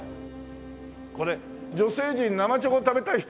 これ女性陣生チョコ食べたい人いる？